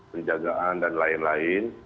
penjagaan dan lain lain